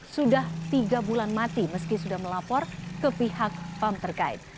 sudah tiga bulan mati meski sudah melapor ke pihak pam terkait